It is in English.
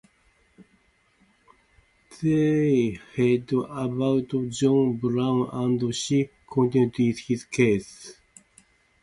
They hosted abolitionist John Brown and she contributed to his causes.